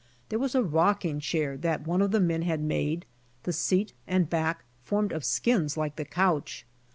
There was a rocking chair that one of the men had made, the seat and back formed of skins like the couch.